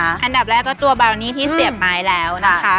อันดับแรกก็ตัวบาวนี่ที่เสียบไม้แล้วนะคะ